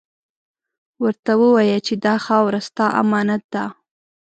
ورته ووایه چې دا خاوره ، ستا امانت ده.